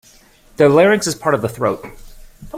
The larynx is part of the throat.